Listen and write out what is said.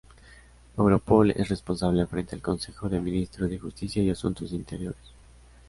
Europol es responsable frente al Consejo de ministros de Justicia y Asuntos Interiores.